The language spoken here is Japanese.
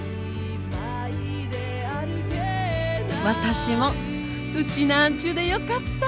私も「うちなんちゅう」でよかった！